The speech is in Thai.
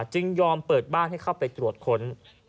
จึงยอมเปิดบ้านให้เข้าไปตรวจค้น